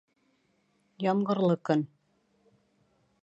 Ямғырлы көн